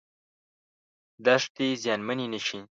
دښتې زیانمنې نشي.